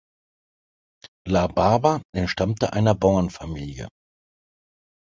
La Barba entstammte einer Bauernfamilie.